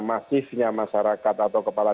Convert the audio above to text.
masifnya masyarakat atau kepala